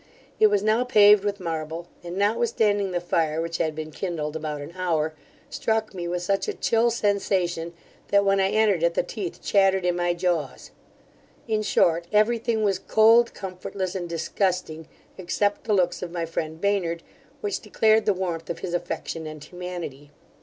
It was now paved with marble, and, notwithstanding the fire which had been kindled about an hour, struck me with such a chill sensation, that when I entered it the teeth chattered in my jaws In short, every thing was cold, comfortless, and disgusting, except the looks of my friend Baynard, which declared the warmth of his affection and humanity.